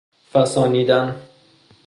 فَسانیدن